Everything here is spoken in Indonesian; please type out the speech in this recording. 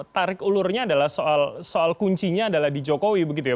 tarik ulurnya adalah soal kuncinya adalah di jokowi begitu ya